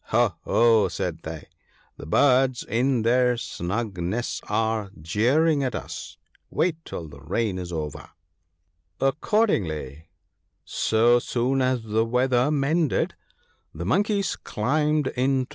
" Ho ! ho !" said they, " the Birds in their snug nests are jeering at us ; wait till the rain is over." Accordingly, so soon as the weather mended, the Monkeys climbed into 90 THE BOOK OF GOOD COUNSELS.